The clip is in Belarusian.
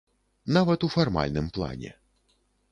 Нават у фармальным плане.